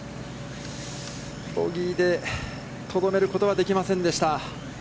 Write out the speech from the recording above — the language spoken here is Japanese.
ボギーで、とどめることはできませんでした。